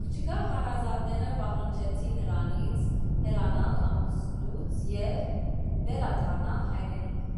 Աղջկա հարազատները պահանջեցին նրանից հեռանալ ամուսնուց և վերադառնալ հայրենիք։